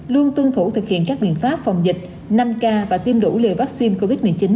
luôn tuân thủ thực hiện các biện pháp phòng dịch năm k và tiêm đủ liều vaccine covid một mươi chín